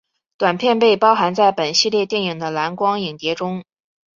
短片被包含在本系列电影的蓝光影碟中。